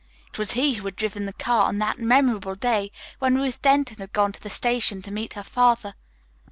It was he who had driven the car on that memorable day when Ruth Denton had gone to the station to meet her father.